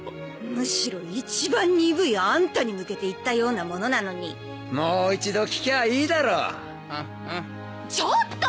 むしろ一番ニブいアンタに向けて言ったようなものなのにもう一度聞きゃあいいだろうんうんちょっと！